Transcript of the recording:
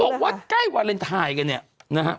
บอกว่าใกล้วาเลนไทยกันเนี่ยนะฮะ